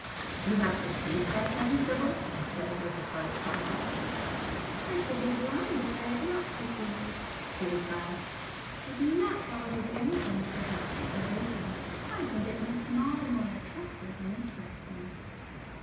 "You have perceived that, then, Sibyl?" I said with a slight smile. "I should be blind if I had not perceived it"—she replied; "I do not however blame him for his pet aversion,—I think it makes him all the more attractive and interesting."